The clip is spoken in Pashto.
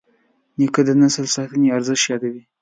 نیکه د نسل ساتنې ارزښت یادوي.